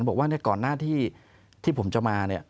จะบอกว่าก่อนหน้าที่ผมจะมา